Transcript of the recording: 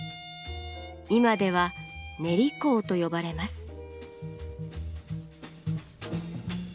今では「練香」と呼ばれます。